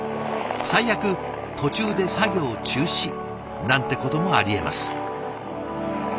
最悪途中で作業中止なんてこともありえます。